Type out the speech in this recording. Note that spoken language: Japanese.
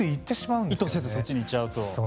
意図せずそっちに行っちゃうと。